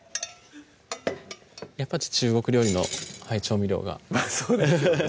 やっぱり中国料理の調味料がまぁそうですよね